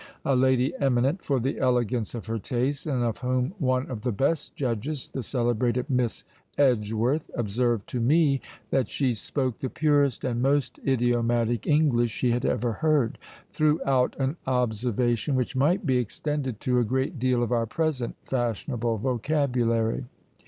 A lady eminent for the elegance of her taste, and of whom one of the best judges, the celebrated Miss Edgeworth, observed to me, that she spoke the purest and most idiomatic English she had ever heard, threw out an observation which might be extended to a great deal of our present fashionable vocabulary.